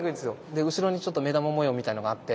で後ろにちょっと目玉模様みたいのがあって。